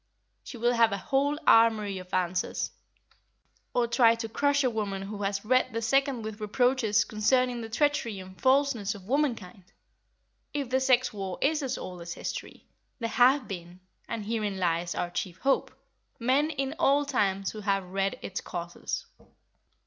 She will have a whole armoury of answers. Or try to crush a woman who has read the second with reproaches concerning the treachery and falseness of womankind! If the sex war is as old as history, there have been—and herein lies our chief hope—men in all times who have read its causes.